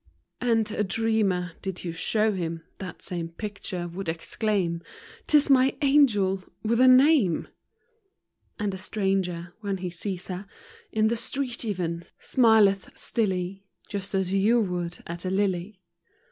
" And a dreamer (did you show him That same picture) would exclaim " 'T is my angel, with a name !" And a stranger — when he sees her In the street even — smileth stilly, Just as you would at a lily.